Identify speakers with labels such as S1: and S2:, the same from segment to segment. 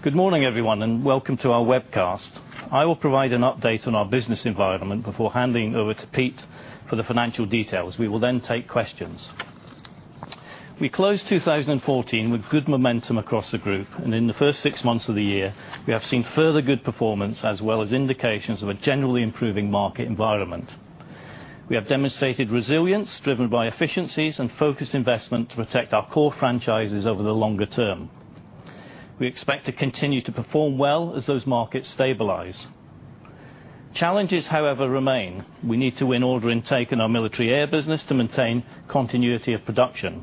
S1: Good morning, everyone. Welcome to our webcast. I will provide an update on our business environment before handing over to Pete for the financial details. We will then take questions. We closed 2014 with good momentum across the group. In the first six months of the year, we have seen further good performance, as well as indications of a generally improving market environment. We have demonstrated resilience driven by efficiencies and focused investment to protect our core franchises over the longer term. We expect to continue to perform well as those markets stabilize. Challenges, however, remain. We need to win order intake in our military air business to maintain continuity of production.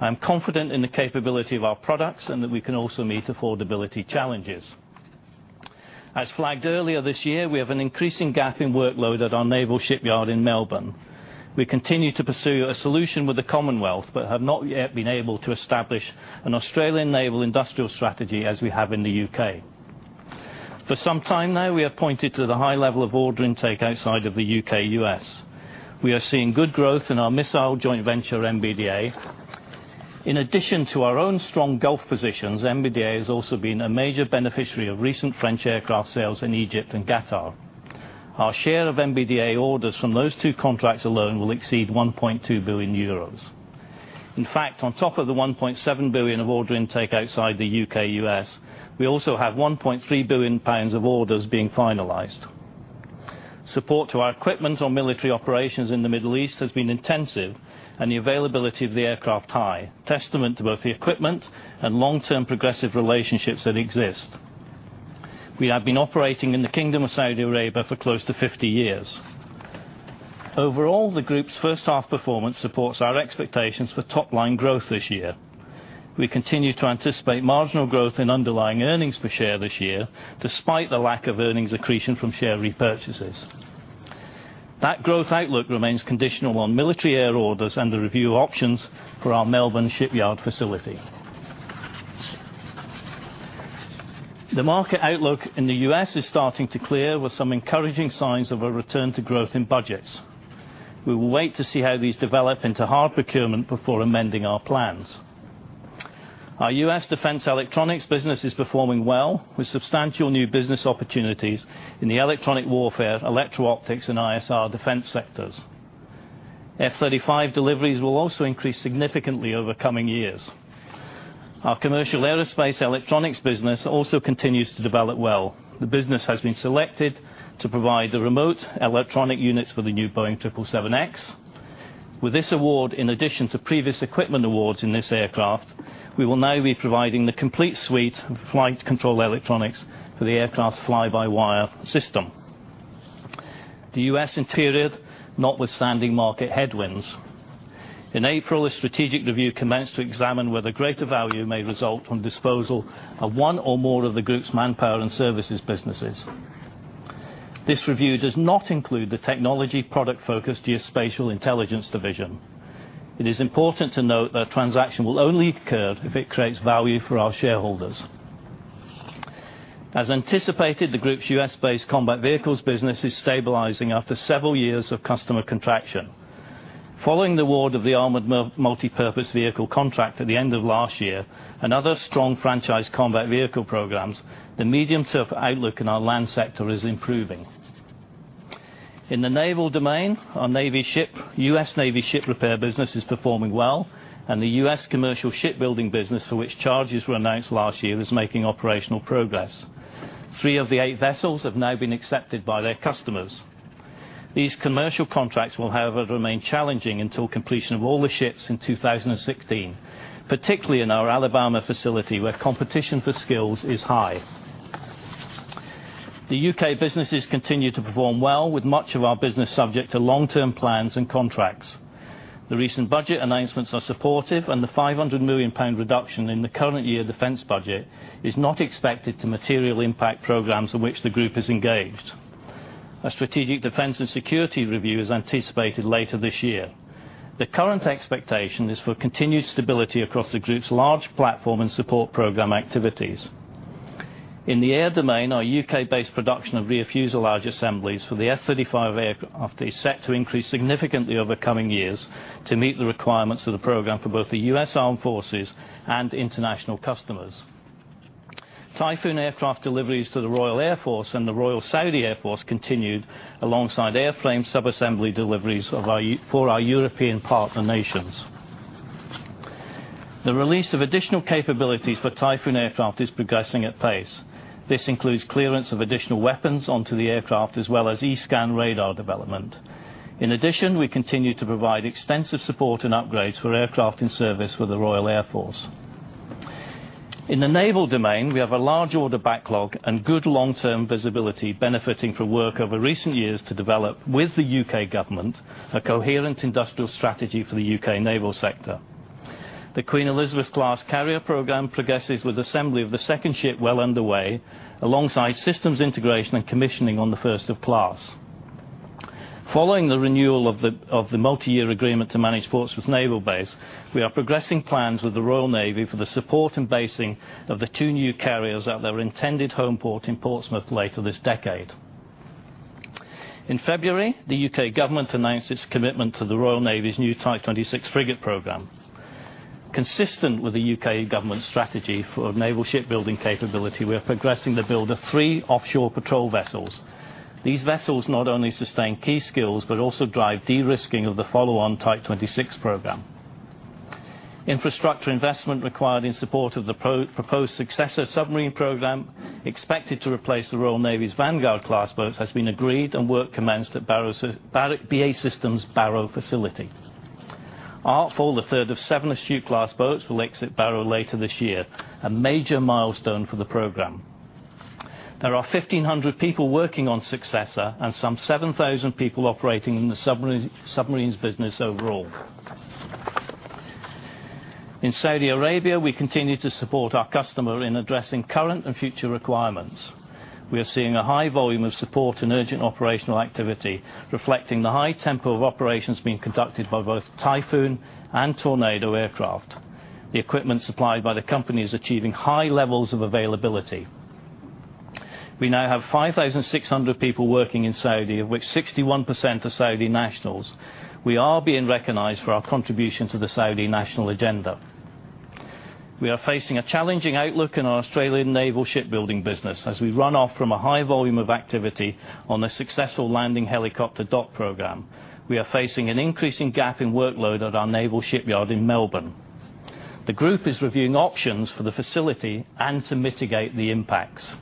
S1: I am confident in the capability of our products and that we can also meet affordability challenges. As flagged earlier this year, we have an increasing gap in workload at our naval shipyard in Melbourne. We continue to pursue a solution with the Commonwealth but have not yet been able to establish an Australian naval industrial strategy as we have in the U.K. For some time now, we have pointed to the high level of order intake outside of the U.K., U.S. We are seeing good growth in our missile joint venture, MBDA. In addition to our own strong Gulf positions, MBDA has also been a major beneficiary of recent French aircraft sales in Egypt and Qatar. Our share of MBDA orders from those two contracts alone will exceed 1.2 billion euros. In fact, on top of the 1.7 billion of order intake outside the U.K., U.S., we also have 1.3 billion pounds of orders being finalized. Support to our equipment on military operations in the Middle East has been intensive, and the availability of the aircraft high, testament to both the equipment and long-term progressive relationships that exist. We have been operating in the Kingdom of Saudi Arabia for close to 50 years. Overall, the group's first half performance supports our expectations for top-line growth this year. We continue to anticipate marginal growth in underlying earnings per share this year, despite the lack of earnings accretion from share repurchases. That growth outlook remains conditional on military air orders and the review options for our Melbourne shipyard facility. The market outlook in the U.S. is starting to clear with some encouraging signs of a return to growth in budgets. We will wait to see how these develop into hard procurement before amending our plans. Our U.S. defense electronics business is performing well, with substantial new business opportunities in the electronic warfare, electro-optics, and ISR defense sectors. F-35 deliveries will also increase significantly over coming years. Our commercial aerospace electronics business also continues to develop well. The business has been selected to provide the Remote Electronic Units for the new Boeing 777X. With this award, in addition to previous equipment awards in this aircraft, we will now be providing the complete suite of flight control electronics for the aircraft's fly-by-wire system. The U.S. interior, notwithstanding market headwinds. In April, a strategic review commenced to examine whether greater value may result from disposal of one or more of the group's manpower and services businesses. This review does not include the technology product-focused Geospatial Intelligence division. It is important to note that a transaction will only occur if it creates value for our shareholders. As anticipated, the group's U.S.-based combat vehicles business is stabilizing after several years of customer contraction. Following the award of the Armored Multi-Purpose Vehicle contract at the end of last year, another strong franchise combat vehicle programs, the medium-term outlook in our land sector is improving. In the naval domain, our U.S. Navy ship repair business is performing well, and the U.S. commercial shipbuilding business, for which charges were announced last year, is making operational progress. Three of the eight vessels have now been accepted by their customers. These commercial contracts will, however, remain challenging until completion of all the ships in 2016, particularly in our Alabama facility, where competition for skills is high. The U.K. businesses continue to perform well, with much of our business subject to long-term plans and contracts. The recent budget announcements are supportive. The 500 million pound reduction in the current year defense budget is not expected to materially impact programs in which the group is engaged. A Strategic Defense and Security Review is anticipated later this year. The current expectation is for continued stability across the group's large platform and support program activities. In the air domain, our U.K.-based production of rear fuselage assemblies for the F-35 aircraft is set to increase significantly over coming years to meet the requirements of the program for both the U.S. Armed Forces and international customers. Typhoon aircraft deliveries to the Royal Air Force and the Royal Saudi Air Force continued alongside airframe sub-assembly deliveries for our European partner nations. The release of additional capabilities for Typhoon aircraft is progressing at pace. This includes clearance of additional weapons onto the aircraft, as well as E-Scan Radar development. In addition, we continue to provide extensive support and upgrades for aircraft in service with the Royal Air Force. In the naval domain, we have a large order backlog and good long-term visibility, benefiting from work over recent years to develop, with the U.K. government, a coherent industrial strategy for the U.K. naval sector. The Queen Elizabeth Class carrier program progresses with assembly of the second ship well underway, alongside systems integration and commissioning on the first of class. Following the renewal of the multi-year agreement to manage Portsmouth Naval Base, we are progressing plans with the Royal Navy for the support and basing of the two new carriers at their intended home port in Portsmouth later this decade. In February, the U.K. government announced its commitment to the Royal Navy's new Type 26 frigate program. Consistent with the U.K. government strategy for naval shipbuilding capability, we are progressing the build of three Offshore Patrol Vessels. These vessels not only sustain key skills, but also drive de-risking of the follow-on Type 26 program. Infrastructure investment required in support of the proposed Successor submarine program, expected to replace the Royal Navy's Vanguard-class boats, has been agreed and work commenced at BAE Systems' Barrow facility. Artful, the third of seven Astute-class boats, will exit Barrow later this year, a major milestone for the program. There are 1,500 people working on Successor and some 7,000 people operating in the submarines business overall. In Saudi Arabia, we continue to support our customer in addressing current and future requirements. We are seeing a high volume of support and urgent operational activity, reflecting the high tempo of operations being conducted by both Typhoon and Tornado aircraft. The equipment supplied by the company is achieving high levels of availability. We now have 5,600 people working in Saudi, of which 61% are Saudi nationals. We are being recognized for our contribution to the Saudi national agenda. We are facing a challenging outlook in our Australian naval shipbuilding business as we run off from a high volume of activity on the successful Landing Helicopter Dock program. We are facing an increasing gap in workload at our naval shipyard in Melbourne. The group is reviewing options for the facility and to mitigate the impacts.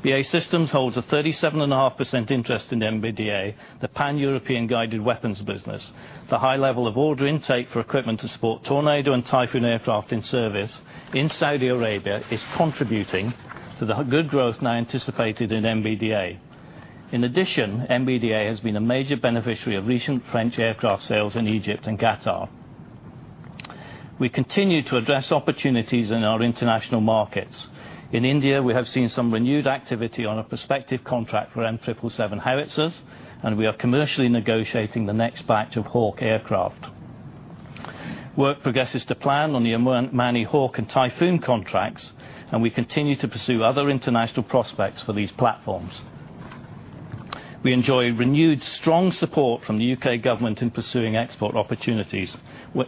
S1: BAE Systems holds a 37.5% interest in MBDA, the Pan-European guided weapons business. The high level of order intake for equipment to support Tornado and Typhoon aircraft in service in Saudi Arabia is contributing to the good growth now anticipated in MBDA. In addition, MBDA has been a major beneficiary of recent French aircraft sales in Egypt and Qatar. We continue to address opportunities in our international markets. In India, we have seen some renewed activity on a prospective contract for M777 howitzers, and we are commercially negotiating the next batch of Hawk aircraft. Work progresses to plan on the Omani Hawk and Typhoon contracts, and we continue to pursue other international prospects for these platforms. We enjoy renewed strong support from the U.K. government in pursuing export opportunities,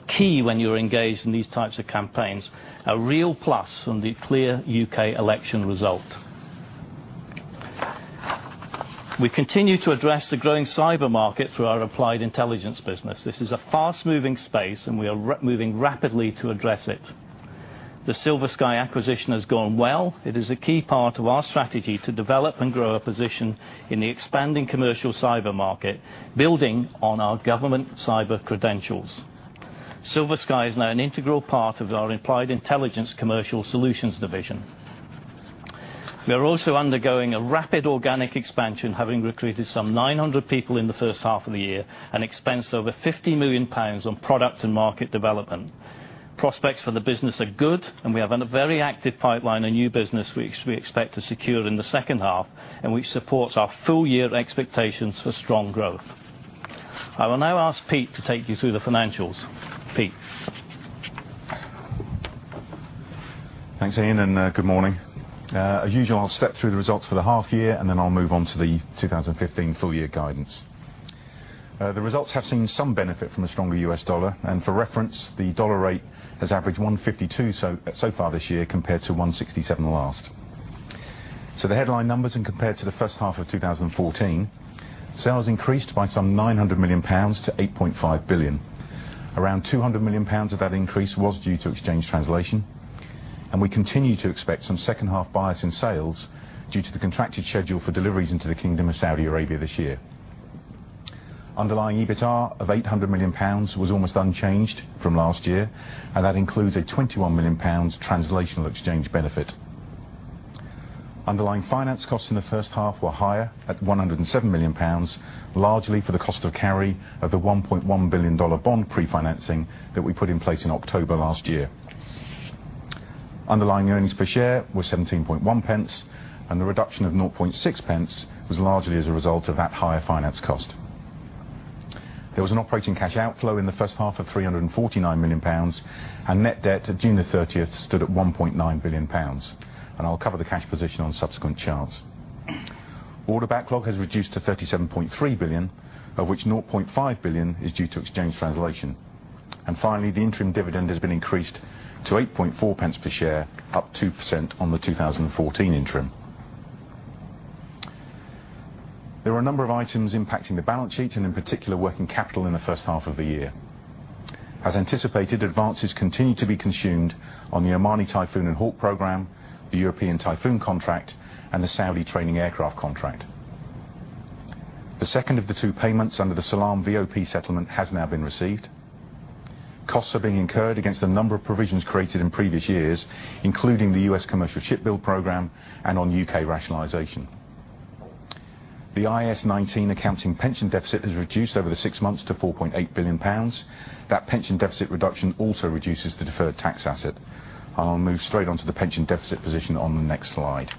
S1: key when you're engaged in these types of campaigns. A real plus from the clear U.K. election result. We continue to address the growing cyber market through our Applied Intelligence business. This is a fast-moving space, and we are moving rapidly to address it. The SilverSky acquisition has gone well. It is a key part of our strategy to develop and grow a position in the expanding commercial cyber market, building on our government cyber credentials. SilverSky is now an integral part of our Applied Intelligence commercial solutions division. We are also undergoing a rapid organic expansion, having recruited some 900 people in the first half of the year, and expensed over 50 million pounds on product and market development. Prospects for the business are good, and we have a very active pipeline of new business we expect to secure in the second half, and which supports our full-year expectations for strong growth. I will now ask Pete to take you through the financials. Pete?
S2: Thanks, Ian, and good morning. As usual, I'll step through the results for the half year, and then I'll move on to the 2015 full-year guidance. The results have seen some benefit from the stronger US dollar, and for reference, the dollar rate has averaged 152 so far this year, compared to 167 last. The headline numbers, and compared to the first half of 2014, sales increased by some 900 million pounds to 8.5 billion. Around 200 million pounds of that increase was due to exchange translation, and we continue to expect some second-half bias in sales due to the contracted schedule for deliveries into the Kingdom of Saudi Arabia this year. Underlying EBITA of 800 million pounds was almost unchanged from last year, and that includes a 21 million pounds translational exchange benefit. Underlying finance costs in the first half were higher at 107 million pounds, largely for the cost of carry of the $1.1 billion bond pre-financing that we put in place in October last year. Underlying earnings per share were 0.171, and the reduction of 0.006 was largely as a result of that higher finance cost. There was an operating cash outflow in the first half of 349 million pounds, and net debt at June 30th stood at 1.9 billion pounds. I'll cover the cash position on subsequent charts. Order backlog has reduced to 37.3 billion, of which 0.5 billion is due to exchange translation. Finally, the interim dividend has been increased to 0.084 per share, up 2% on the 2014 interim. There are a number of items impacting the balance sheet, in particular, working capital in the first half of the year. As anticipated, advances continue to be consumed on the Omani Typhoon and Hawk program, the European Typhoon contract, and the Saudi training aircraft contract. The second of the two payments under the Project Salam settlement has now been received. Costs are being incurred against a number of provisions created in previous years, including the U.S. commercial ship build program and on U.K. rationalization. The IAS 19 accounting pension deficit is reduced over the six months to 4.8 billion pounds. That pension deficit reduction also reduces the deferred tax asset. I'll move straight on to the pension deficit position on the next slide.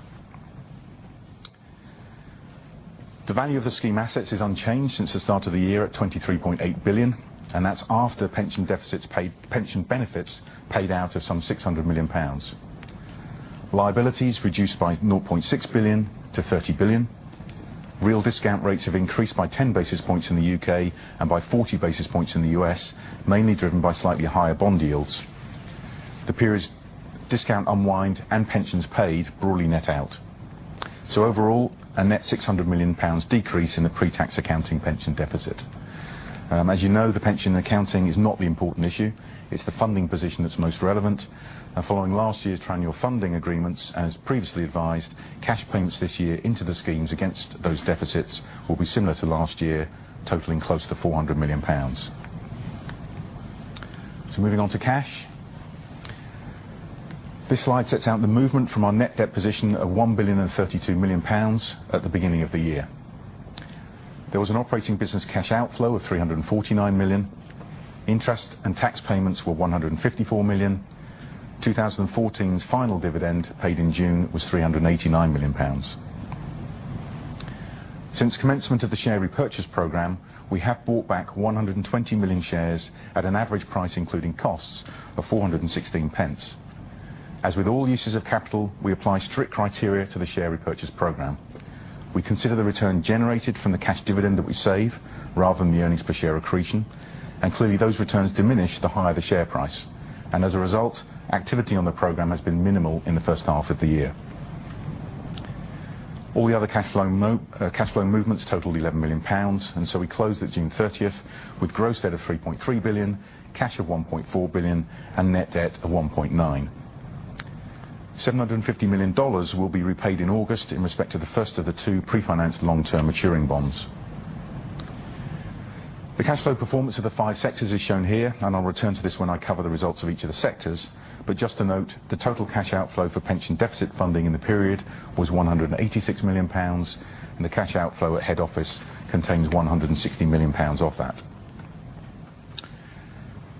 S2: The value of the scheme assets is unchanged since the start of the year at 23.8 billion, and that's after pension benefits paid out of some 600 million pounds. Liabilities reduced by 0.6 billion to 30 billion. Real discount rates have increased by 10 basis points in the U.K. and by 40 basis points in the U.S., mainly driven by slightly higher bond yields. The period discount unwind and pensions paid broadly net out. Overall, a net 600 million pounds decrease in the pre-tax accounting pension deficit. As you know, the pension accounting is not the important issue, it's the funding position that's most relevant. Following last year's triennial funding agreements, as previously advised, cash payments this year into the schemes against those deficits will be similar to last year, totaling close to 400 million pounds. Moving on to cash. This slide sets out the movement from our net debt position of 1,032 million pounds at the beginning of the year. There was an operating business cash outflow of 349 million. Interest and tax payments were 154 million. 2014's final dividend, paid in June, was 389 million pounds. Since commencement of the share repurchase program, we have bought back 120 million shares at an average price, including costs, of 4.16. As with all uses of capital, we apply strict criteria to the share repurchase program. We consider the return generated from the cash dividend that we save, rather than the earnings per share accretion. Clearly, those returns diminish the higher the share price. As a result, activity on the program has been minimal in the first half of the year. All the other cash flow movements totaled 11 million pounds, we closed at June 30th with gross debt of 3.3 billion, cash of 1.4 billion, and net debt of 1.9 billion. $750 million will be repaid in August in respect to the first of the two pre-financed long-term maturing bonds. The cash flow performance of the five sectors is shown here. I'll return to this when I cover the results of each of the sectors. Just to note, the total cash outflow for pension deficit funding in the period was 186 million pounds, and the cash outflow at head office contains 160 million pounds off that.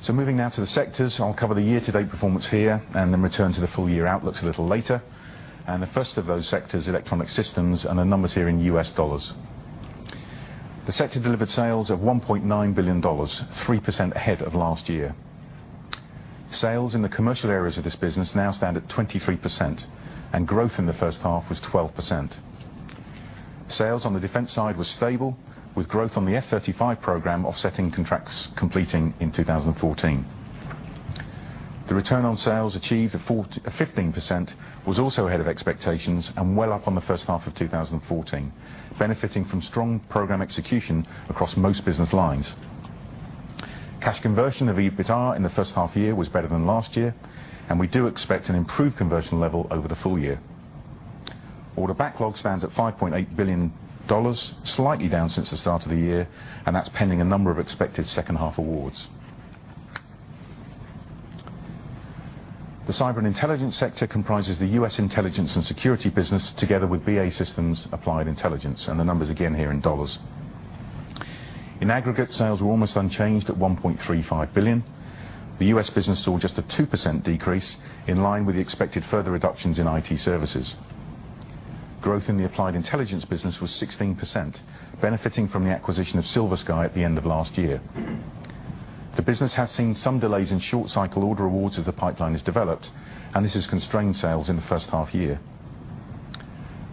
S2: Moving now to the sectors. I'll cover the year-to-date performance here and then return to the full-year outlooks a little later. The first of those sectors, Electronic Systems, and the numbers here in U.S. dollars. The sector delivered sales of $1.9 billion, 3% ahead of last year. Sales in the commercial areas of this business now stand at 23%, and growth in the first half was 12%. Sales on the defense side were stable, with growth on the F-35 program offsetting contracts completing in 2014. The return on sales achieved of 15% was also ahead of expectations and well up on the first half of 2014, benefiting from strong program execution across most business lines. Cash conversion of EBITA in the first half year was better than last year. We do expect an improved conversion level over the full year. Order backlog stands at $5.8 billion, slightly down since the start of the year. That's pending a number of expected second half awards. The Cyber and Intelligence sector comprises the U.S. intelligence and security business, together with BAE Systems Applied Intelligence. The numbers again here in dollars. In aggregate, sales were almost unchanged at $1.35 billion. The U.S. business saw just a 2% decrease, in line with the expected further reductions in IT services. Growth in the Applied Intelligence business was 16%, benefiting from the acquisition of SilverSky at the end of last year. The business has seen some delays in short-cycle order awards as the pipeline has developed. This has constrained sales in the first half year.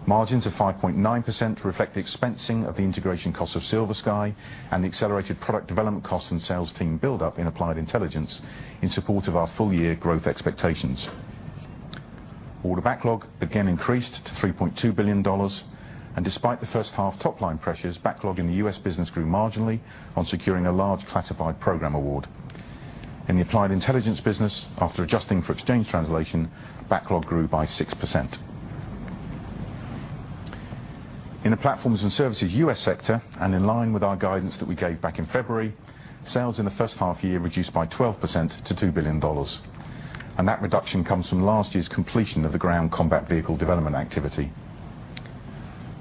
S2: Margins of 5.9% reflect the expensing of the integration cost of SilverSky and the accelerated product development costs and sales team buildup in Applied Intelligence in support of our full-year growth expectations. Order backlog again increased to $3.2 billion. Despite the first half top-line pressures, backlog in the U.S. business grew marginally on securing a large classified program award. In the Applied Intelligence business, after adjusting for exchange translation, backlog grew by 6%. In the Platforms and Services U.S. sector, in line with our guidance that we gave back in February, sales in the first half year reduced by 12% to $2 billion. That reduction comes from last year's completion of the Ground Combat Vehicle development activity.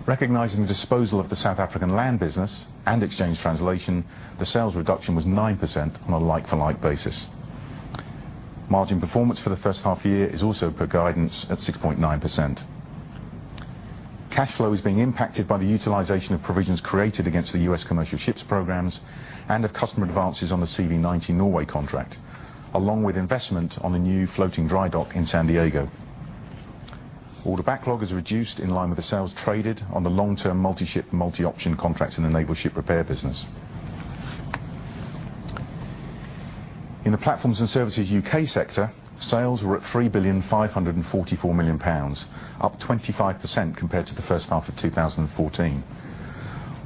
S2: Recognizing the disposal of the South African land business and exchange translation, the sales reduction was 9% on a like-for-like basis. Margin performance for the first half year is also per guidance at 6.9%. Cash flow is being impacted by the utilization of provisions created against the U.S. commercial ships programs and of customer advances on the CV90 Norway contract, along with investment on the new floating dry dock in San Diego. Order backlog is reduced in line with the sales traded on the long-term Multi-Ship, Multi-Option contracts in the naval ship repair business. In the Platforms and Services U.K. sector, sales were at 3,544 million pounds, up 25% compared to the first half of 2014.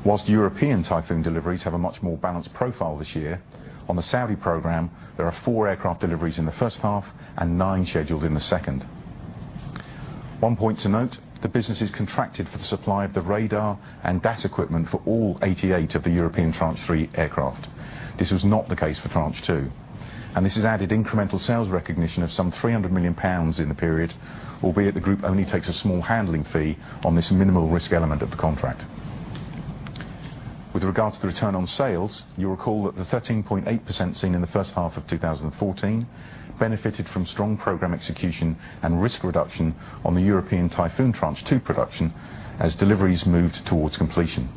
S2: Whilst European Typhoon deliveries have a much more balanced profile this year, on the Saudi program, there are four aircraft deliveries in the first half and nine scheduled in the second. One point to note, the business is contracted for the supply of the radar and DAS equipment for all 88 of the European Tranche 3 aircraft. This was not the case for Tranche 2, and this has added incremental sales recognition of some 300 million pounds in the period, albeit the group only takes a small handling fee on this minimal risk element of the contract. With regard to the return on sales, you'll recall that the 13.8% seen in the first half of 2014 benefited from strong program execution and risk reduction on the European Typhoon Tranche 2 production as deliveries moved towards completion.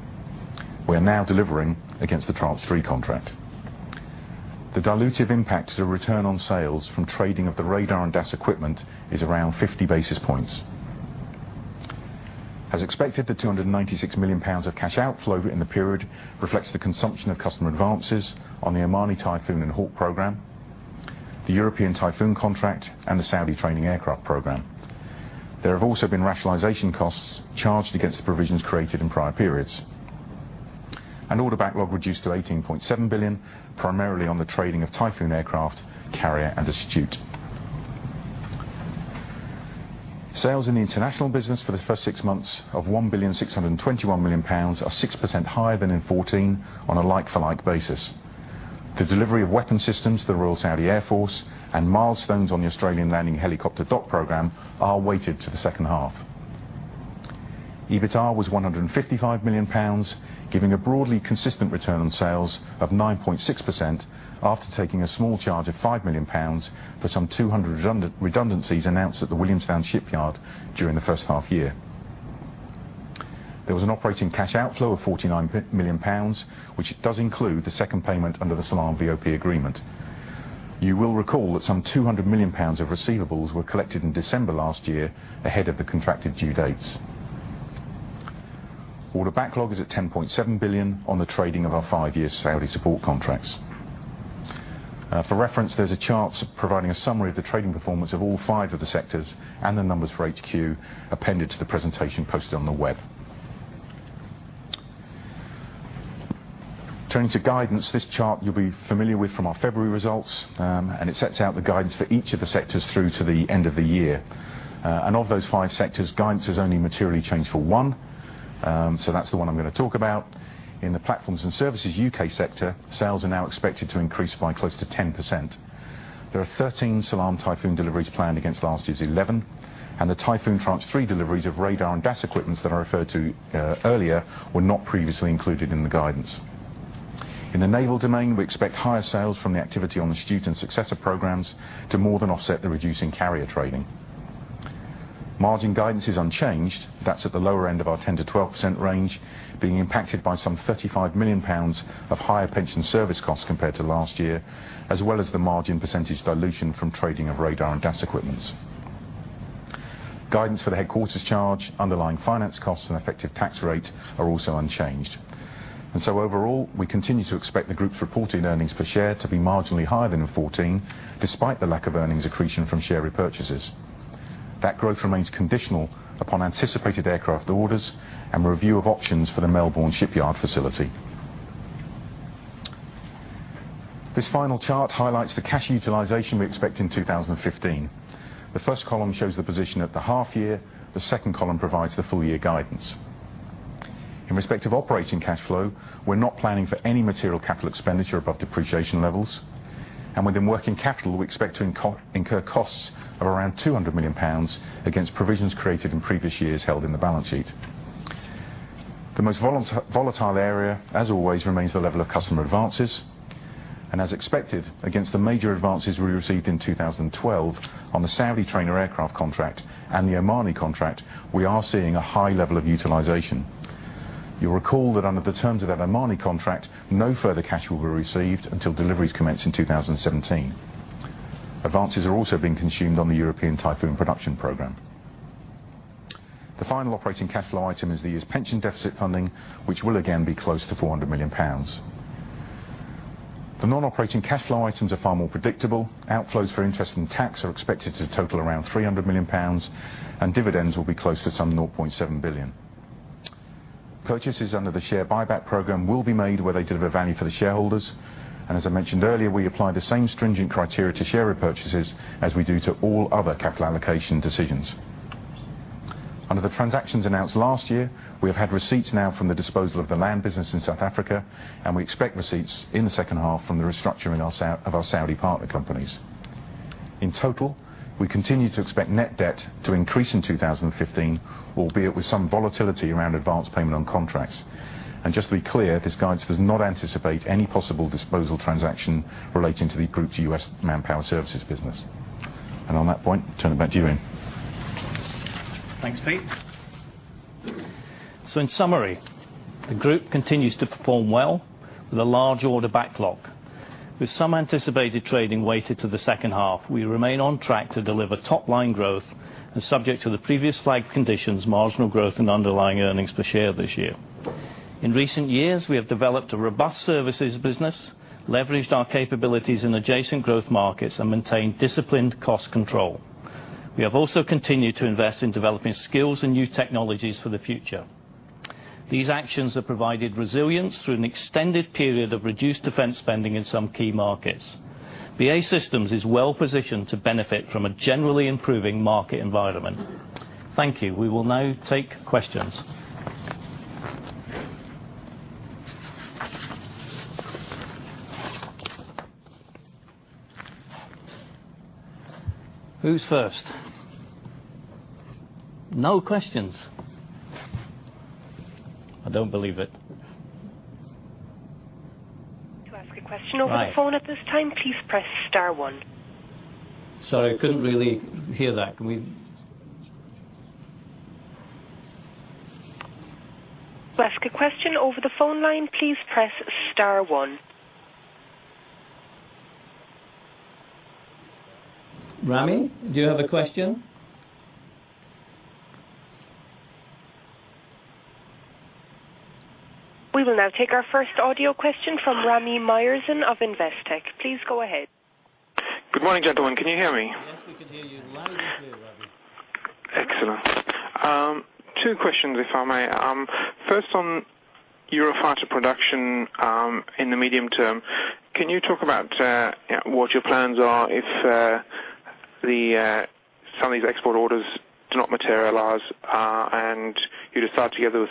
S2: We're now delivering against the Tranche 3 contract. The dilutive impact to the return on sales from trading of the radar and DAS equipment is around 50 basis points. As expected, the 296 million pounds of cash outflow in the period reflects the consumption of customer advances on the Omani Typhoon and Hawk program, the European Typhoon contract, and the Saudi training aircraft program. There have also been rationalization costs charged against the provisions created in prior periods. Order backlog reduced to 18.7 billion, primarily on the trading of Typhoon aircraft, Carrier, and Astute. Sales in the International business for the first six months of 1,621,000,000 pounds are 6% higher than in 2014 on a like-for-like basis. The delivery of weapon systems to the Royal Saudi Air Force and milestones on the Australian Landing Helicopter Dock program are weighted to the second half. EBITA was 155 million pounds, giving a broadly consistent return on sales of 9.6% after taking a small charge of 5 million pounds for some 200 redundancies announced at the Williamstown shipyard during the first half year. There was an operating cash outflow of 49 million pounds, which does include the second payment under the Salam BOP agreement. You will recall that some 200 million pounds of receivables were collected in December last year ahead of the contracted due dates. Order backlog is at 10.7 billion on the trading of our five-year Saudi support contracts. For reference, there's a chart providing a summary of the trading performance of all five of the sectors and the numbers for HQ appended to the presentation posted on the web. Turning to guidance, this chart you'll be familiar with from our February results, and it sets out the guidance for each of the sectors through to the end of the year. Of those five sectors, guidance has only materially changed for one, so that's the one I'm going to talk about. In the Platforms and Services U.K. sector, sales are now expected to increase by close to 10%. There are 13 Salam Typhoon deliveries planned against last year's 11, and the Typhoon Tranche 3 deliveries of radar and DAS equipments that I referred to earlier were not previously included in the guidance. In the naval domain, we expect higher sales from the activity on the Astute and Successor programs to more than offset the reducing carrier trading. Margin guidance is unchanged. That is at the lower end of our 10%-12% range, being impacted by some 35 million pounds of higher pension service costs compared to last year, as well as the margin percentage dilution from trading of radar and DAS equipments. Guidance for the headquarters charge, underlying finance costs, and effective tax rate are also unchanged. Overall, we continue to expect the group's reported earnings per share to be marginally higher than in 2014, despite the lack of earnings accretion from share repurchases. That growth remains conditional upon anticipated aircraft orders and review of options for the Melbourne shipyard facility. This final chart highlights the cash utilization we expect in 2015. The first column shows the position at the half year. The second column provides the full year guidance. In respect of operating cash flow, we are not planning for any material capital expenditure above depreciation levels, and within working capital, we expect to incur costs of around 200 million pounds against provisions created in previous years held in the balance sheet. The most volatile area, as always, remains the level of customer advances, and as expected, against the major advances we received in 2012 on the Saudi trainer aircraft contract and the Omani contract, we are seeing a high level of utilization. You will recall that under the terms of that Omani contract, no further cash will be received until deliveries commence in 2017. Advances are also being consumed on the European Typhoon production program. The final operating cash flow item is the year's pension deficit funding, which will again be close to 400 million pounds. The non-operating cash flow items are far more predictable. Outflows for interest and tax are expected to total around 300 million pounds, and dividends will be close to some 0.7 billion. Purchases under the share buyback program will be made where they deliver value for the shareholders, and as I mentioned earlier, we apply the same stringent criteria to share repurchases as we do to all other capital allocation decisions. Under the transactions announced last year, we have had receipts now from the disposal of the land business in South Africa, and we expect receipts in the second half from the restructuring of our Saudi partner companies. In total, we continue to expect net debt to increase in 2015, albeit with some volatility around advanced payment on contracts. Just to be clear, this guidance does not anticipate any possible disposal transaction relating to the group's U.S. manpower services business. On that point, turn it back to you, Ian.
S1: Thanks, Pete. In summary, the group continues to perform well with a large order backlog. With some anticipated trading weighted to the second half, we remain on track to deliver top-line growth and subject to the previous flagged conditions, marginal growth and underlying earnings per share this year. In recent years, we have developed a robust services business, leveraged our capabilities in adjacent growth markets, and maintained disciplined cost control. We have also continued to invest in developing skills and new technologies for the future. These actions have provided resilience through an extended period of reduced defense spending in some key markets. BAE Systems is well-positioned to benefit from a generally improving market environment. Thank you. We will now take questions. Who's first? No questions? I don't believe it.
S3: To ask a question over the phone at this time, please press star one.
S1: Sorry, couldn't really hear that.
S3: To ask a question over the phone line, please press star one.
S1: Rami, do you have a question?
S3: We will now take our first audio question from Rami Myerson of Investec. Please go ahead.
S4: Good morning, gentlemen. Can you hear me?
S1: Yes, we can hear you loudly and clear, Rami.
S4: Excellent. Two questions, if I may. First, on Eurofighter production in the medium term. Can you talk about what your plans are if some of these export orders do not materialize, and you decide together with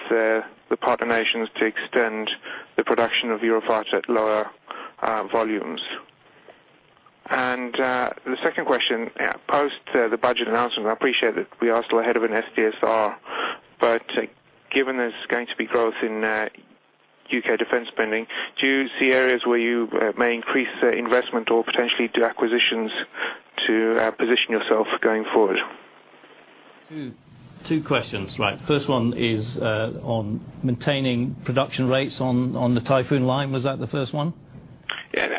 S4: the partner nations to extend the production of Eurofighter at lower volumes? The second question. Post the budget announcement, I appreciate that we are still ahead of an SDSR, but given there's going to be growth in U.K. defense spending, do you see areas where you may increase investment or potentially do acquisitions to position yourself going forward?
S1: Two questions, right. First one is on maintaining production rates on the Typhoon line. Was that the first one?
S4: Yeah.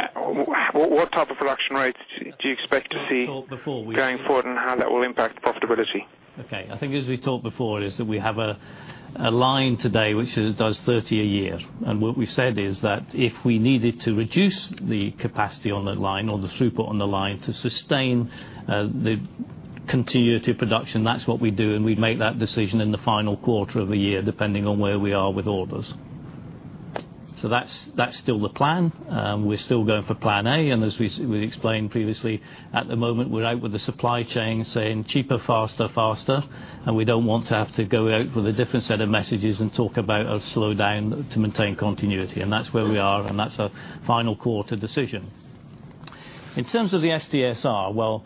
S4: What type of production rates do you expect to see-
S1: As we talked before
S4: going forward, how that will impact profitability?
S1: Okay. I think as we told before, is that we have a line today which does 30 a year. What we've said is that if we needed to reduce the capacity on the line or the throughput on the line to sustain the continuity of production, that's what we'd do, and we'd make that decision in the final quarter of the year, depending on where we are with orders. That's still the plan. We're still going for plan A, as we explained previously, at the moment, we're out with the supply chain saying cheaper, faster, we don't want to have to go out with a different set of messages and talk about a slowdown to maintain continuity. That's where we are, and that's a final quarter decision. In terms of the SDSR, well,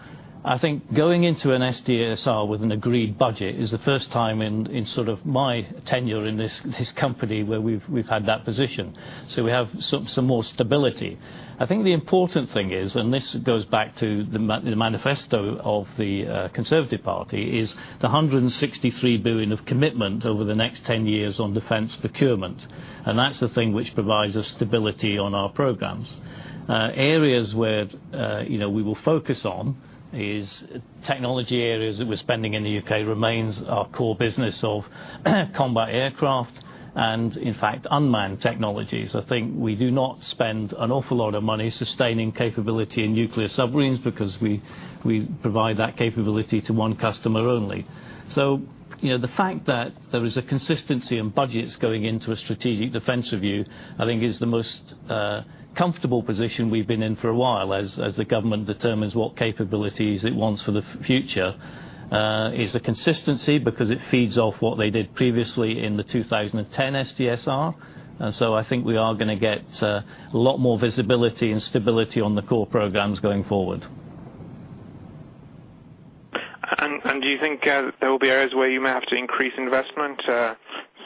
S1: I think going into an SDSR with an agreed budget is the first time in my tenure in this company where we've had that position. We have some more stability. I think the important thing is, this goes back to the manifesto of the Conservative Party, is the 163 billion of commitment over the next 10 years on defense procurement. That's the thing which provides us stability on our programs. Areas where we will focus on is technology areas that we're spending in the U.K. remains our core business of combat aircraft and, in fact, unmanned technologies. I think we do not spend an awful lot of money sustaining capability in nuclear submarines because we provide that capability to one customer only. The fact that there is a consistency in budgets going into a strategic defense review, I think is the most comfortable position we've been in for a while, as the government determines what capabilities it wants for the future, is the consistency because it feeds off what they did previously in the 2010 SDSR. I think we are going to get a lot more visibility and stability on the core programs going forward.
S4: Do you think there will be areas where you may have to increase investment,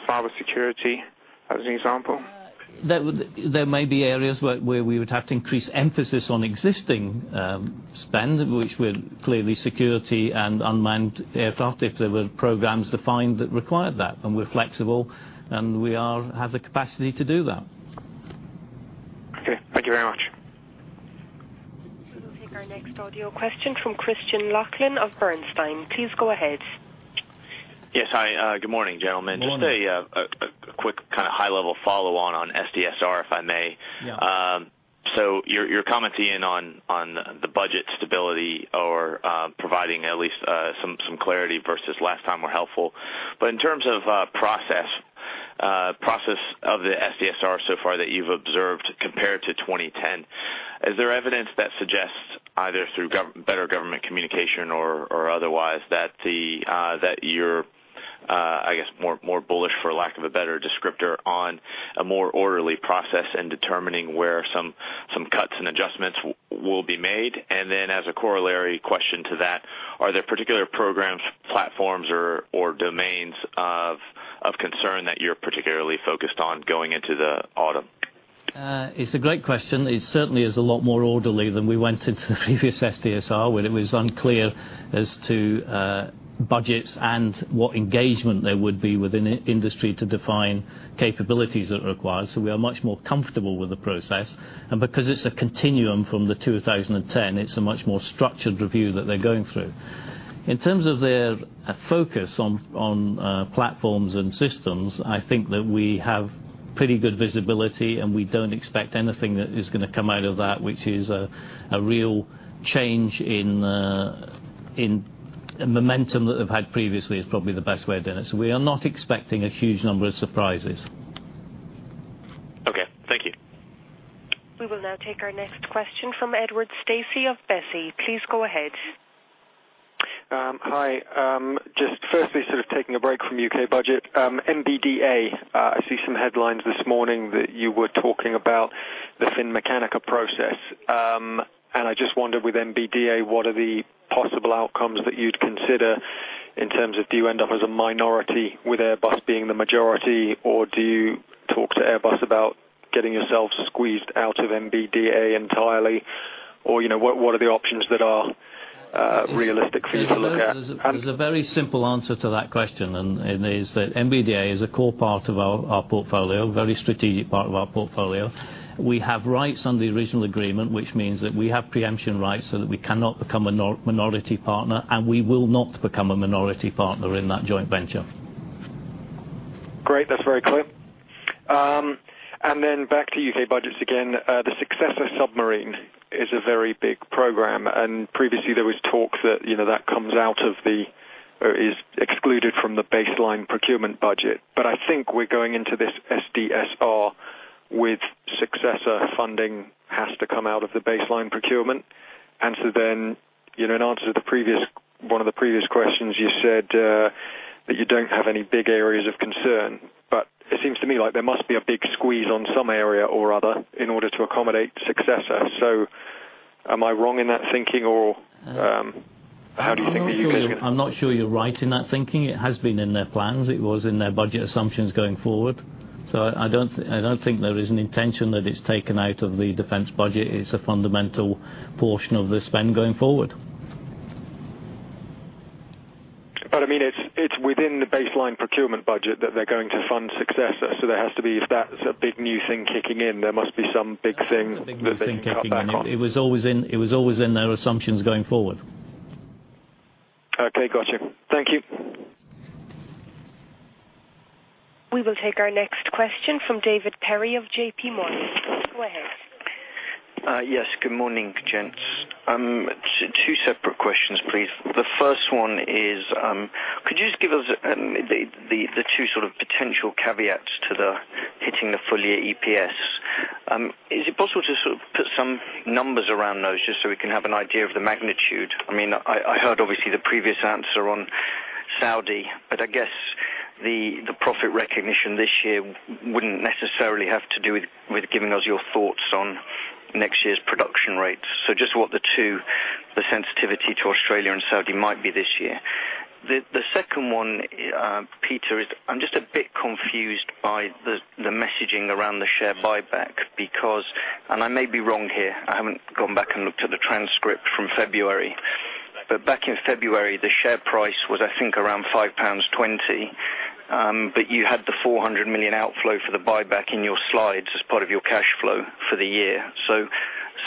S4: cybersecurity as an example?
S1: There may be areas where we would have to increase emphasis on existing spend, which with clearly security and unmanned aircraft, if there were programs defined that required that, we're flexible and we have the capacity to do that.
S4: Okay. Thank you very much.
S3: We will take our next audio question from Christophe Menard of Bernstein. Please go ahead.
S5: Yes. Hi. Good morning, gentlemen.
S1: Good morning.
S5: Just a quick high-level follow-on, on SDSR, if I may.
S1: Yeah.
S5: Your commenting on the budget stability or providing at least some clarity versus last time were helpful. In terms of process of the SDSR so far that you've observed compared to 2010, is there evidence that suggests either through better government communication or otherwise, that you're, I guess, more bullish, for lack of a better descriptor, on a more orderly process in determining where some cuts and adjustments will be made? As a corollary question to that, are there particular programs, platforms or domains of concern that you're particularly focused on going into the autumn?
S1: It's a great question. It certainly is a lot more orderly than we went into the previous SDSR, when it was unclear as to budgets and what engagement there would be within industry to define capabilities that are required. We are much more comfortable with the process. Because it's a continuum from the 2010, it's a much more structured review that they're going through. In terms of their focus on platforms and systems, I think that we have pretty good visibility, and we don't expect anything that is going to come out of that, which is a real change in momentum that they've had previously, is probably the best way of doing it. We are not expecting a huge number of surprises.
S5: Okay. Thank you.
S3: We will now take our next question from Ed Stacey of Berenberg. Please go ahead.
S6: Hi. Just firstly, sort of taking a break from U.K. budget. MBDA. I see some headlines this morning that you were talking about the Finmeccanica process. I just wonder with MBDA, what are the possible outcomes that you'd consider in terms of, do you end up as a minority with Airbus being the majority, or do you talk to Airbus about getting yourself squeezed out of MBDA entirely? What are the options that are realistic for you to look at?
S1: There's a very simple answer to that question, and it is that MBDA is a core part of our portfolio, a very strategic part of our portfolio. We have rights under the original agreement, which means that we have preemption rights so that we cannot become a minority partner, and we will not become a minority partner in that joint venture.
S6: Great. That's very clear. Back to U.K. budgets again. The Successor submarine is a very big program. Previously there was talk that is excluded from the baseline procurement budget. I think we're going into this SDSR with Successor funding has to come out of the baseline procurement. In answer to one of the previous questions, you said that you don't have any big areas of concern. It seems to me like there must be a big squeeze on some area or other in order to accommodate Successor. Am I wrong in that thinking, or how do you think that you guys are going to-
S1: I'm not sure you're right in that thinking. It has been in their plans. It was in their budget assumptions going forward. I don't think there is an intention that it's taken out of the defense budget. It's a fundamental portion of the spend going forward.
S6: It's within the baseline procurement budget that they're going to fund Successor. If that's a big new thing kicking in, there must be some big thing that they can cut back on.
S1: It was always in their assumptions going forward.
S6: Okay, got you. Thank you.
S3: We will take our next question from David Perry of JPMorgan. Go ahead.
S7: Yes. Good morning, gents. Two separate questions, please. The first one is, could you just give us the two potential caveats to hitting the full-year EPS? Is it possible to put some numbers around those just so we can have an idea of the magnitude? I heard, obviously, the previous answer on Saudi, but I guess the profit recognition this year wouldn't necessarily have to do with giving us your thoughts on next year's production rates. Just what the sensitivity to Australia and Saudi might be this year. The second one, Peter, is I'm just a bit confused by the messaging around the share buyback because, and I may be wrong here, I haven't gone back and looked at the transcript from February. Back in February, the share price was, I think, around 5.20 pounds, but you had the 400 million outflow for the buyback in your slides as part of your cash flow for the year.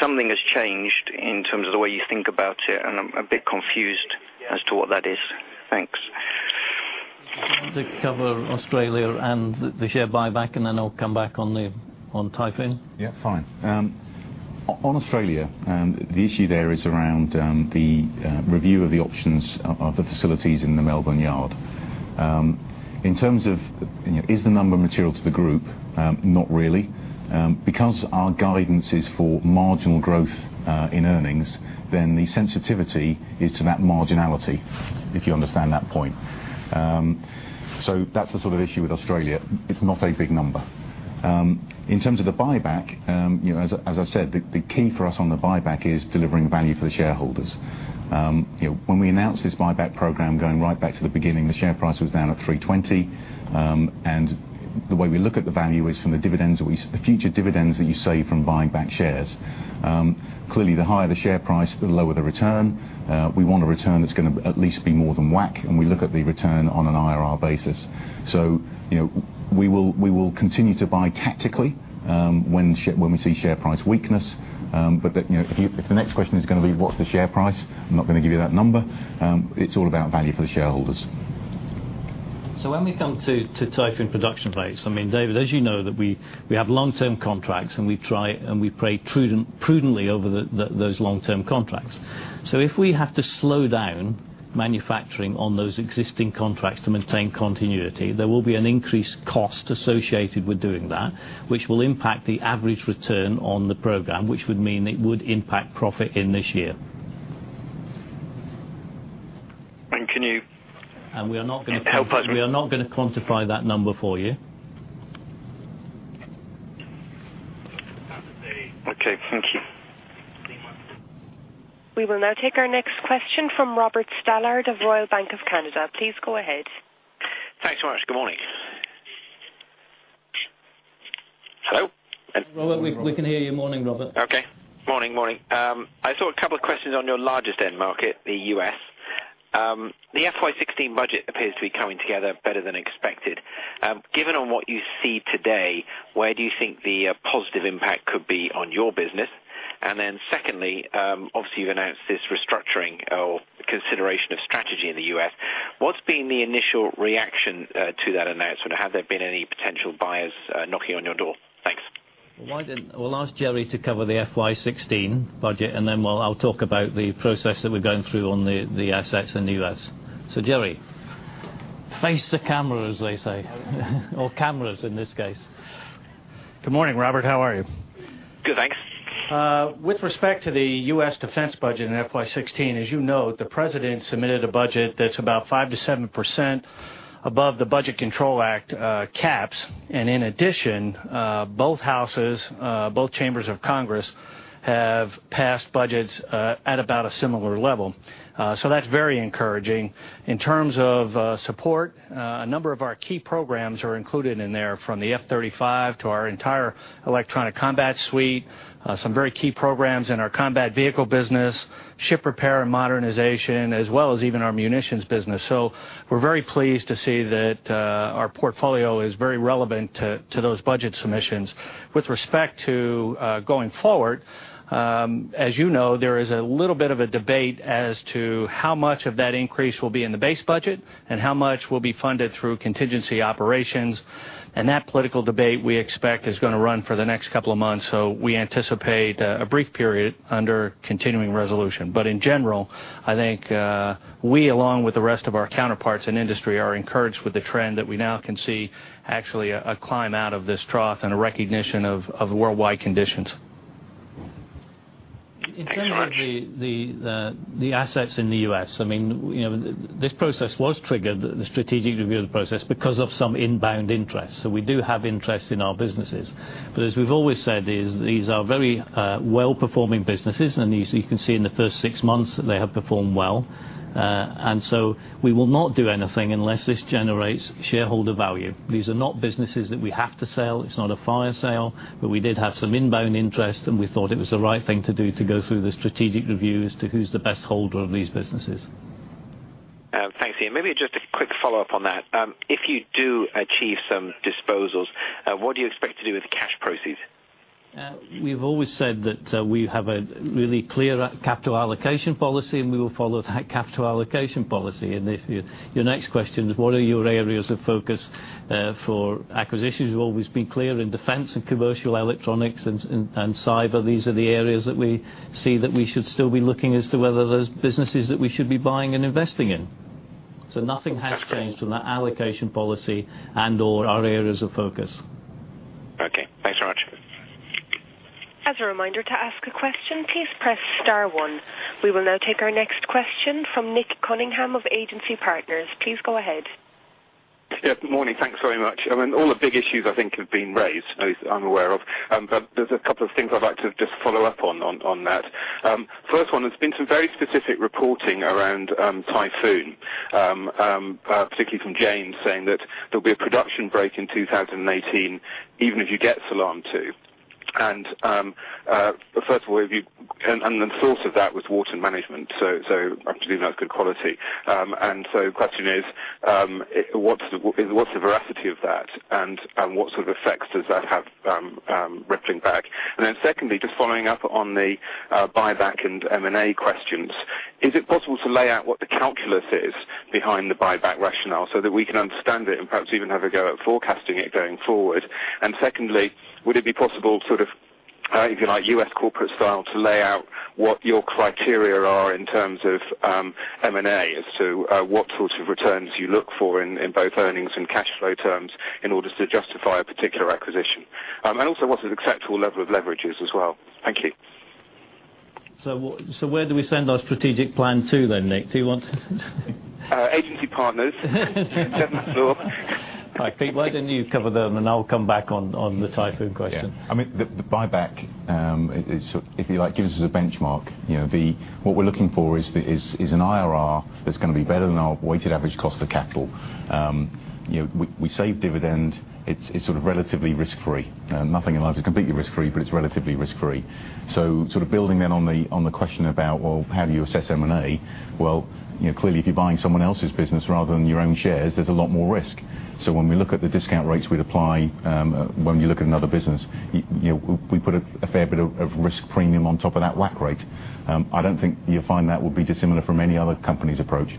S7: Something has changed in terms of the way you think about it, and I'm a bit confused as to what that is. Thanks.
S1: I'll let Nick cover Australia and the share buyback, and then I'll come back on Typhoon.
S2: Yeah, fine. On Australia, the issue there is around the review of the options of the facilities in the Melbourne yard. In terms of, is the number material to the group? Not really. Our guidance is for marginal growth in earnings, then the sensitivity is to that marginality, if you understand that point. That's the sort of issue with Australia. It's not a big number. In terms of the buyback, as I said, the key for us on the buyback is delivering value for the shareholders. When we announced this buyback program, going right back to the beginning, the share price was down at 3.20. The way we look at the value is from the future dividends that you save from buying back shares. Clearly, the higher the share price, the lower the return. We want a return that's going to at least be more than WACC, we look at the return on an IRR basis. We will continue to buy tactically when we see share price weakness. If the next question is going to be what's the share price, I'm not going to give you that number. It's all about value for the shareholders.
S1: When we come to Typhoon production rates, David, as you know, we have long-term contracts, and we trade prudently over those long-term contracts. If we have to slow down manufacturing on those existing contracts to maintain continuity, there will be an increased cost associated with doing that, which will impact the average return on the program, which would mean it would impact profit in this year.
S7: Can you-
S1: We are not going to-
S7: How much?
S1: We are not going to quantify that number for you.
S7: Okay. Thank you.
S3: We will now take our next question from Robert Stallard of Royal Bank of Canada. Please go ahead.
S8: Thanks so much. Good morning. Hello?
S1: Robert, we can hear you. Morning, Robert.
S8: Okay. Morning. I saw a couple of questions on your largest end market, the U.S. The FY16 budget appears to be coming together better than expected. Given on what you see today, where do you think the positive impact could be on your business? Secondly, obviously you've announced this restructuring or consideration of strategy in the U.S. What's been the initial reaction to that announcement? Have there been any potential buyers knocking on your door? Thanks.
S1: Why don't we ask Jerry to cover the FY16 budget, I'll talk about the process that we're going through on the assets in the U.S. Jerry, face the camera, as they say, or cameras in this case.
S9: Good morning, Robert. How are you?
S8: Good, thanks.
S9: With respect to the U.S. Defense Budget in FY 2016, as you know, the President submitted a budget that's about 5%-7% above the Budget Control Act caps. In addition, both houses, both chambers of Congress, have passed budgets at about a similar level. That's very encouraging. In terms of support, a number of our key programs are included in there, from the F-35 to our entire electronic combat suite, some very key programs in our combat vehicle business, ship repair and modernization, as well as even our munitions business. We're very pleased to see that our portfolio is very relevant to those budget submissions. With respect to going forward, as you know, there is a little bit of a debate as to how much of that increase will be in the base budget and how much will be funded through contingency operations. That political debate, we expect, is going to run for the next couple of months. We anticipate a brief period under continuing resolution. In general, I think we, along with the rest of our counterparts in the industry, are encouraged with the trend that we now can see actually a climb out of this trough and a recognition of worldwide conditions.
S8: Thanks very much.
S1: In terms of the assets in the U.S., this process was triggered, the strategic review of the process, because of some inbound interest. We do have interest in our businesses. As we've always said, these are very well-performing businesses, and you can see in the first six months that they have performed well. We will not do anything unless this generates shareholder value. These are not businesses that we have to sell. It's not a fire sale. We did have some inbound interest, and we thought it was the right thing to do to go through the strategic review as to who's the best holder of these businesses.
S8: Thanks, Ian. Maybe just a quick follow-up on that. If you do achieve some disposals, what do you expect to do with cash proceeds?
S1: We've always said that we have a really clear capital allocation policy, and we will follow that capital allocation policy. If your next question is what are your areas of focus for acquisitions, we've always been clear in defense and commercial electronics and cyber. These are the areas that we see that we should still be looking as to whether there's businesses that we should be buying and investing in. Nothing has changed on that allocation policy and/or our areas of focus.
S8: Okay, thanks very much.
S3: As a reminder, to ask a question, please press star one. We will now take our next question from Nick Cunningham of Agency Partners. Please go ahead.
S10: Yeah, good morning. Thanks very much. All the big issues I think have been raised, that I'm aware of. There's a couple of things I'd like to just follow up on that. First one, there's been some very specific reporting around Typhoon, particularly from Jane's, saying that there'll be a production break in 2018 even if you get Salam 2. First of all, the source of that was Warton management, so obviously not good quality. Question is, what's the veracity of that, and what sort of effects does that have rippling back? Secondly, just following up on the buyback and M&A questions, is it possible to lay out what the calculus is behind the buyback rationale so that we can understand it and perhaps even have a go at forecasting it going forward? Secondly, would it be possible, sort of, if you like, U.S. corporate style, to lay out what your criteria are in terms of M&A as to what sorts of returns you look for in both earnings and cash flow terms in order to justify a particular acquisition? Also what is acceptable level of leverages as well? Thank you.
S1: Where do we send our strategic plan to then, Nick? Do you want to
S10: Agency Partners. Seventh floor.
S1: All right, Peter, why don't you cover them. I'll come back on the Typhoon question.
S2: Yeah. The buyback, if you like, give us a benchmark. What we're looking for is an IRR that's going to be better than our weighted average cost of capital. We save dividend. It's sort of relatively risk-free. Nothing in life is completely risk-free, but it's relatively risk-free. Building then on the question about how do you assess M&A, well, clearly, if you're buying someone else's business rather than your own shares, there's a lot more risk. When we look at the discount rates we'd apply when we look at another business, we put a fair bit of risk premium on top of that WACC rate. I don't think you'll find that will be dissimilar from any other company's approach.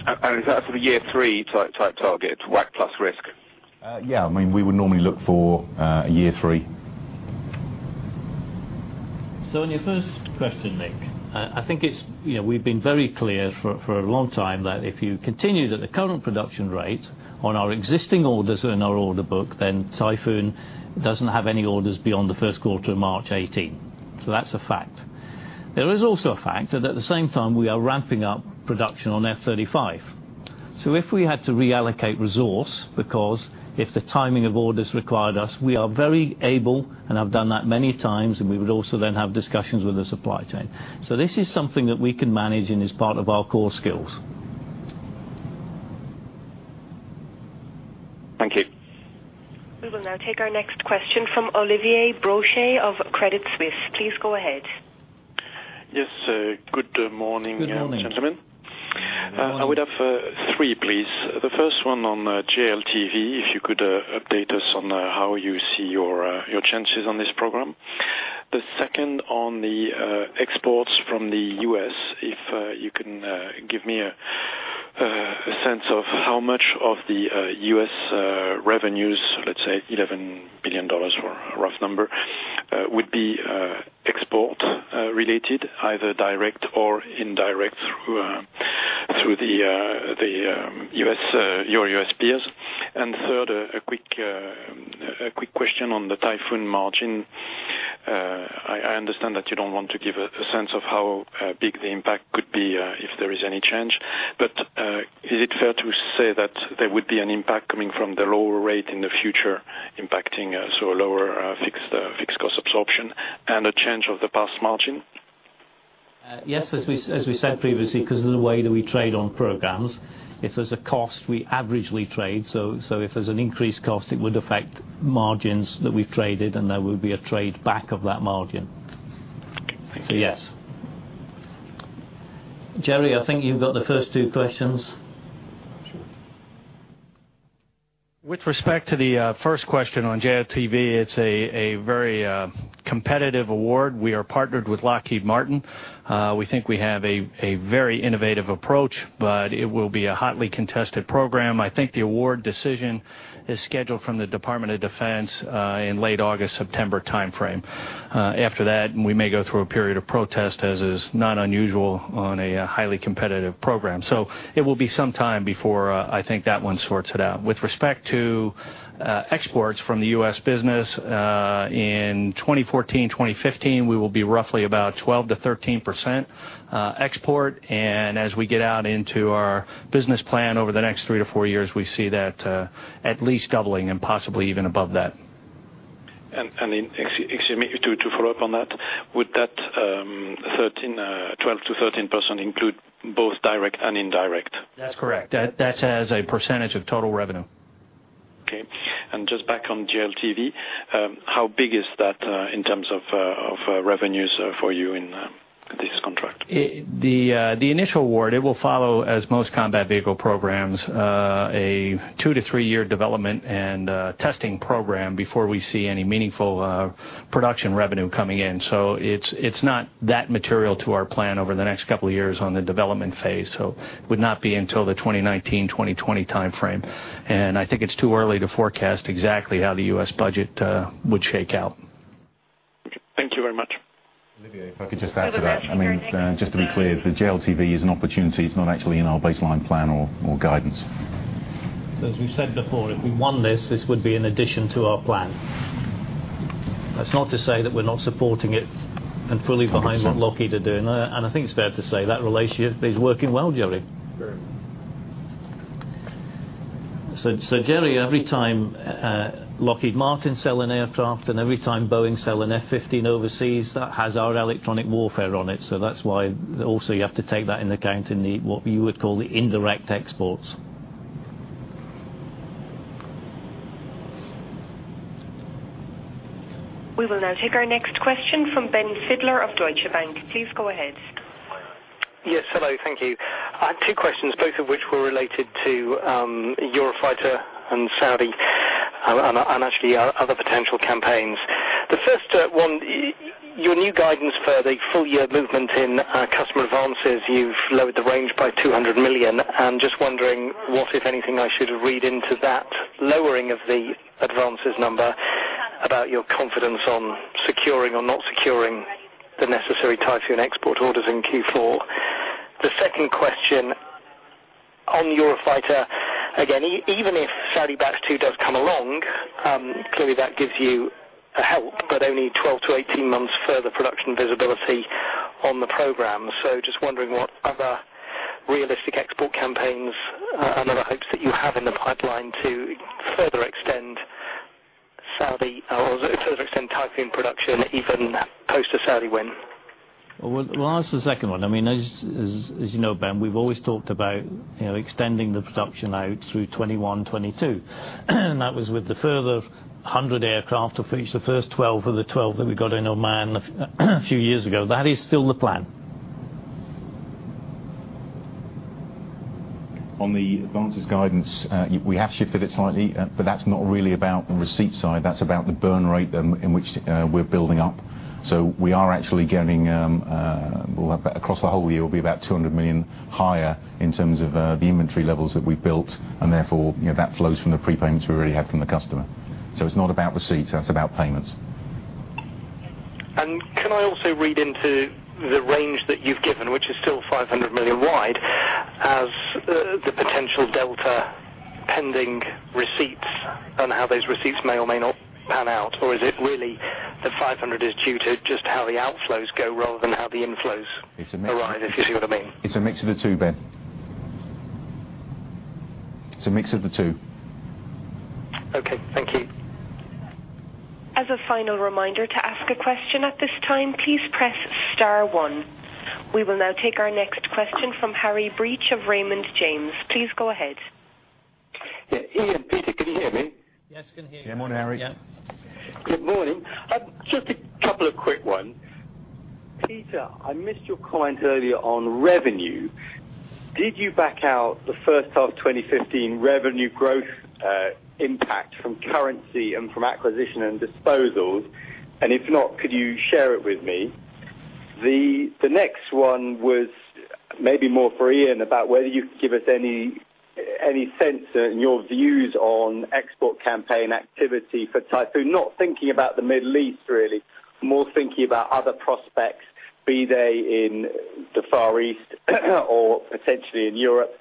S10: Is that for the year-3 type target, WACC plus risk?
S2: Yeah, we would normally look for year three.
S1: In your first question, Nick, I think we've been very clear for a long time that if you continue at the current production rate on our existing orders that are in our order book, then Typhoon doesn't have any orders beyond the first quarter of March 2018. That's a fact. There is also a fact that at the same time, we are ramping up production on F-35. If we had to reallocate resource, because if the timing of orders required us, we are very able and have done that many times, and we would also then have discussions with the supply chain. This is something that we can manage and is part of our core skills.
S10: Thank you.
S3: We will now take our next question from Olivier Brochet of Credit Suisse. Please go ahead.
S11: Yes, good morning, gentlemen.
S1: Good morning.
S9: Good morning.
S11: I would have three, please. The first one on JLTV, if you could update us on how you see your chances on this program. The second on the exports from the U.S., if you can give me a sense of how much of the U.S. revenues, let's say $11 billion for a rough number, would be Export related, either direct or indirect through your U.S. peers. Third, a quick question on the Typhoon margin. I understand that you don't want to give a sense of how big the impact could be if there is any change, but is it fair to say that there would be an impact coming from the lower rate in the future impacting, so a lower fixed cost absorption and a change of the past margin?
S1: Yes, as we said previously, because of the way that we trade on programs, if there's a cost, we averagely trade. If there's an increased cost, it would affect margins that we've traded, and there would be a trade back of that margin.
S11: Thanks.
S1: Yes. Jerry, I think you've got the first two questions.
S9: Sure. With respect to the first question on JLTV, it's a very competitive award. We are partnered with Lockheed Martin. We think we have a very innovative approach, but it will be a hotly contested program. I think the award decision is scheduled from the Department of Defense in late August, September timeframe. After that, we may go through a period of protest, as is not unusual on a highly competitive program. It will be some time before I think that one sorts it out. With respect to exports from the U.S. business, in 2014, 2015, we will be roughly about 12%-13% export. As we get out into our business plan over the next three to four years, we see that at least doubling and possibly even above that.
S11: Excuse me, to follow up on that, would that 12%-13% include both direct and indirect?
S9: That's correct. That's as a percentage of total revenue.
S11: Okay. Just back on JLTV, how big is that in terms of revenues for you in this contract?
S9: The initial award, it will follow as most combat vehicle programs, a 2- to 3-year development and testing program before we see any meaningful production revenue coming in. It's not that material to our plan over the next couple of years on the development phase, it would not be until the 2019, 2020 timeframe. I think it's too early to forecast exactly how the US budget would shake out.
S11: Thank you very much.
S2: Olivier, if I could just add to that.
S3: Another question.
S2: Just to be clear, the JLTV is an opportunity. It's not actually in our baseline plan or guidance.
S1: As we've said before, if we won this would be an addition to our plan. That's not to say that we're not supporting it and fully behind.
S2: 100%
S1: What Lockheed are doing. I think it's fair to say that relationship is working well, Jerry.
S9: Very well.
S1: Jerry, every time Lockheed Martin sell an aircraft, and every time Boeing sell an F-15 overseas, that has our electronic warfare on it. That's why also you have to take that into account in the, what you would call, the indirect exports.
S3: We will now take our next question from Benjamin Heelan of Deutsche Bank. Please go ahead.
S12: Yes, hello, thank you. I have two questions, both of which were related to Eurofighter and Saudi and actually other potential campaigns. The first one, your new guidance for the full year movement in customer advances, you've lowered the range by 200 million. I'm just wondering what, if anything, I should read into that lowering of the advances number about your confidence on securing or not securing the necessary Typhoon export orders in Q4. The second question on Eurofighter, again, even if Saudi Batch Two does come along, clearly that gives you a help, but only 12 to 18 months further production visibility on the program. Just wondering what other realistic export campaigns and other hopes that you have in the pipeline to further extend Typhoon production even post a Saudi win.
S1: Well, I'll answer the second one. As you know, Ben, we've always talked about extending the production out through 2021, 2022. That was with the further 100 aircraft to finish the first 12 of the 12 that we got in Oman a few years ago. That is still the plan.
S2: On the advances guidance, we have shifted it slightly, but that's not really about the receipt side, that's about the burn rate in which we're building up. We are actually getting, across the whole year, we'll be about 200 million higher in terms of the inventory levels that we've built, and therefore, that flows from the prepayments we already have from the customer. It's not about receipts, that's about payments.
S12: Can I also read into the range that you've given, which is still 500 million wide, as the potential delta pending receipts on how those receipts may or may not pan out? Is it really that 500 is due to just how the outflows go rather than how the inflows arise-
S2: It's a mix of the two.
S12: If you see what I mean.
S2: It's a mix of the two, Ben. It's a mix of the two.
S12: Okay. Thank you.
S3: As a final reminder to ask a question at this time, please press star one. We will now take our next question from Harry Breach of Raymond James. Please go ahead.
S13: Yeah. Ian, Peter, can you hear me?
S1: Yes, can hear you.
S2: Yeah, morning Harry.
S1: Yeah.
S13: Good morning. Just a couple of quick ones. Peter, I missed your comment earlier on revenue. Did you back out the first half 2015 revenue growth impact from currency and from acquisition and disposals? If not, could you share it with me? The next one was maybe more for Ian about whether you could give us any sense in your views on export campaign activity for Typhoon, not thinking about the Middle East really, more thinking about other prospects, be they in the Far East or potentially in Europe.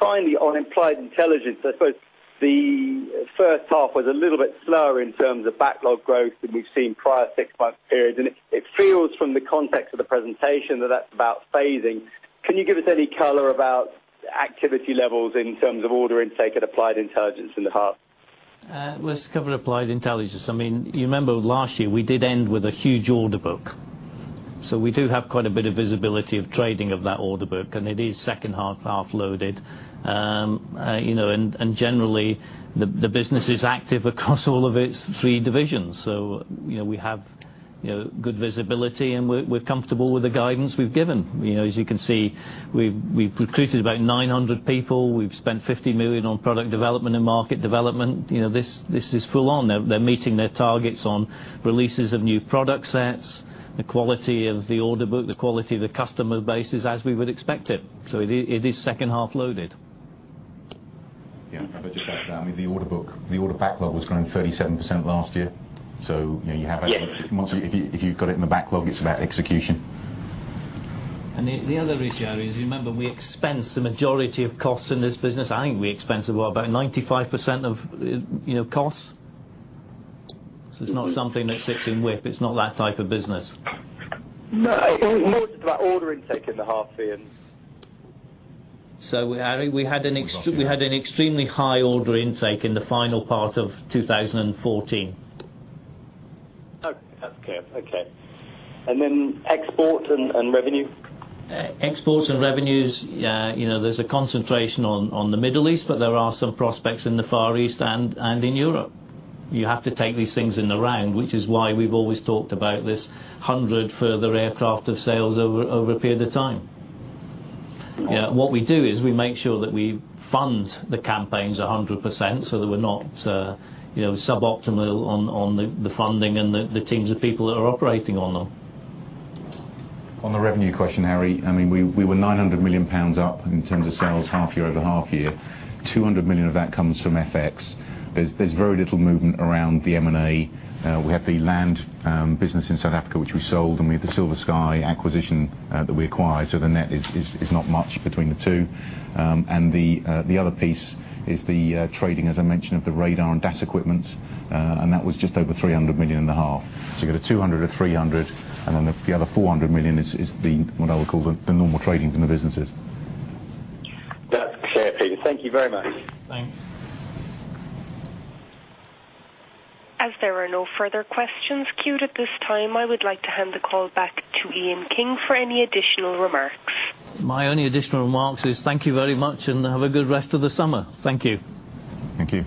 S13: Finally, on Applied Intelligence, I suppose the first half was a little bit slower in terms of backlog growth than we've seen prior six-month periods, and it feels from the context of the presentation that that's about phasing. Can you give us any color about activity levels in terms of order intake at Applied Intelligence in the half?
S1: Let's cover Applied Intelligence. You remember last year we did end with a huge order book. We do have quite a bit of visibility of trading of that order book, and it is second half loaded. Generally, the business is active across all of its three divisions. We have good visibility and we're comfortable with the guidance we've given. As you can see, we've recruited about 900 people. We've spent 50 million on product development and market development. This is full on. They're meeting their targets on releases of new product sets. The quality of the order book, the quality of the customer base is as we would expect it. It is second half loaded.
S2: Yeah. If I could just add to that, I mean, the order book, the order backlog was growing 37% last year. You have-
S13: Yes
S2: once, if you've got it in the backlog, it's about execution.
S1: The other issue, Harry, is you remember we expense the majority of costs in this business. I think we expense about 95% of costs. It is not something that sits in WIP. It is not that type of business.
S13: No. It was just about ordering intake in the half, Ian.
S1: Harry, we had an extremely high order intake in the final part of 2014.
S13: Okay. Then export and revenue?
S1: Exports and revenues, there's a concentration on the Middle East, there are some prospects in the Far East and in Europe. You have to take these things in the round, which is why we've always talked about this 100 further aircraft of sales over a period of time. What we do is we make sure that we fund the campaigns 100% so that we're not suboptimal on the funding and the teams of people that are operating on them.
S2: On the revenue question, Harry, we were 900 million pounds up in terms of sales half-year over half-year. 200 million of that comes from FX. There's very little movement around the M&A. We had the land business in South Africa, which we sold, we had the SilverSky acquisition that we acquired. The net is not much between the two. The other piece is the trading, as I mentioned, of the radar and DAS equipments, that was just over 300 million in the half. You get a 200, a 300, then the other 400 million is what I would call the normal trading from the businesses.
S13: That's clear, Peter. Thank you very much.
S1: Thanks.
S3: As there are no further questions queued at this time, I would like to hand the call back to Ian King for any additional remarks.
S1: My only additional remarks is thank you very much and have a good rest of the summer. Thank you.
S2: Thank you.